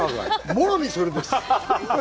もろにそれです。